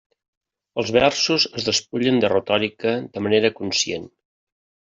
Els versos es despullen de retòrica de manera conscient.